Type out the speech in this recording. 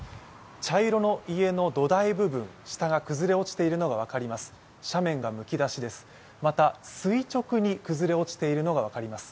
茶色の家の土台部分下が崩れ落ちているのが分かります。